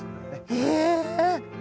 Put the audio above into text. へえ。